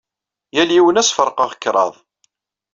Yal yiwen ad as-ferqeɣ kraḍ.